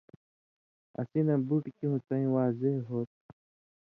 اسی نہ بُٹ کیوں څَیں واضِح ہو تُھو۔